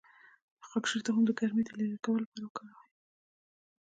د خاکشیر تخم د ګرمۍ د لرې کولو لپاره وکاروئ